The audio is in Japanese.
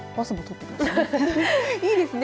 いいですね。